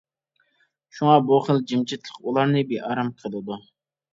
شۇڭا بۇ خىل جىمجىتلىق ئۇلارنى بىئارام قىلىدۇ.